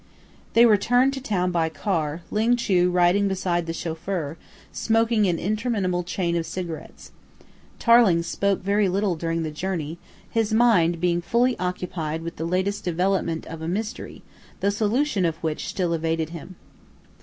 They returned to town by car, Ling Chu riding beside the chauffeur, smoking an interminable chain of cigarettes. Tarling spoke very little during the journey, his mind being fully occupied with the latest development of a mystery, the solution of which still evaded him.